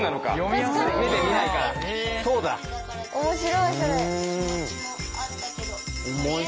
面白い。